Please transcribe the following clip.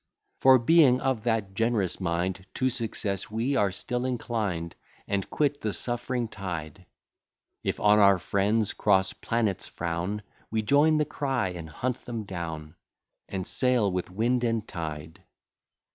For, being of that gen'rous mind, To success we are still inclined, And quit the suffering side, If on our friends cross planets frown, We join the cry, and hunt them down, And sail with wind and tide.